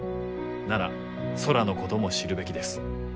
なら空のことも知るべきです。